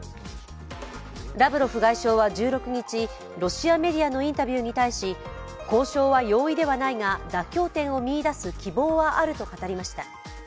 ラブロフ外相は１６日、ロシアメディアのインタビューに対し交渉は容易ではないが妥協点を見いだす希望はあると話しました。